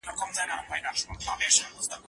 په لرغونو قصیدو کې د طبیعت ستاینه یو شرط و.